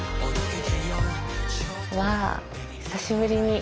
わあ久しぶりに。